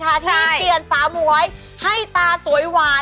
ใช่ที่เปลี่ยนซ้ำไว้ให้ตาสวยวาน